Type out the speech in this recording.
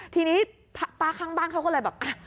ทีนี้ป้าข้างบ้านเขาก็เลยแบบ